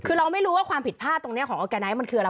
คือเราไม่รู้ว่าความผิดพลาดตรงนี้ของออร์แกไนท์มันคืออะไร